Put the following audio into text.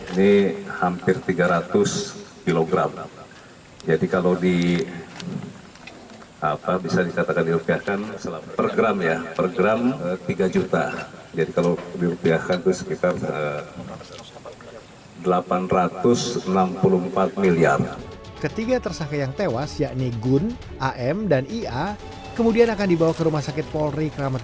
ini hampir tiga ratus kg jadi kalau bisa diupiahkan per gram tiga juta jadi kalau diupiahkan itu sekitar delapan ratus enam puluh empat miliar